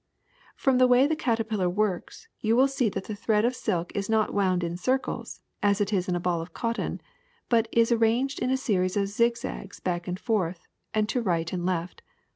^^From the way the caterpillar works you will see that the thread of silk is not wound in circles, as it is in a ball of cotton, but is arranged in a series of zigzags, back and forth, and to right and left.